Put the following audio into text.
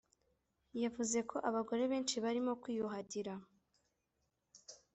yavuze ko abagore benshi barimo kwiyuhagira.